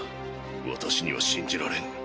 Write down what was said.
私には信じられん。